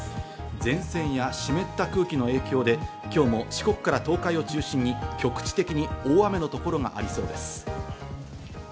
前線や湿った空気の影響で今日も四国から東海を中心に局地的に大雨のところがありそうです。